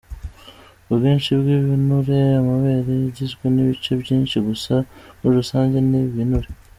Ubwinshi bw’ibinure: amabere agizwe n’ibice byinshi gusa muri rusange ni ibinure.